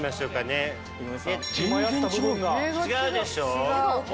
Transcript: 違うでしょ？